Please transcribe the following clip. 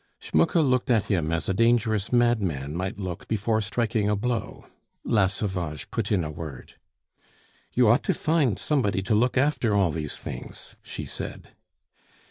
Schmucke looked at him as a dangerous madman might look before striking a blow. La Sauvage put in a word. "You ought to find somebody to look after all these things," she said.